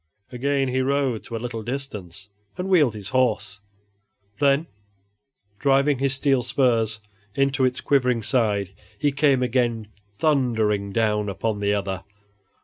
Again he rode to a little distance and wheeled his horse; then, driving his steel spurs into its quivering side, he came again thundering down upon the other.